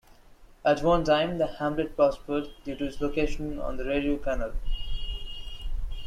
At one time, the hamlet prospered due to its location on the Rideau Canal.